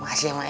makasih ya mak